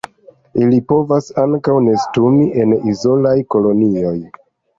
Ili povas ankaŭ nestumi en izolaj kolonioj.